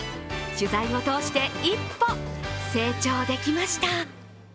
取材を通して、一歩成長できました